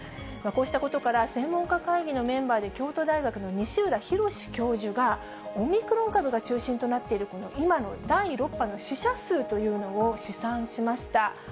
こうしたことから、専門家会議のメンバーで、京都大学の西浦博教授が、オミクロン株が中心となっている、この今の第６波の死者数というのを試算しました。